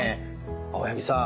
青柳さん